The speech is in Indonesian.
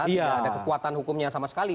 tidak ada kekuatan hukumnya sama sekali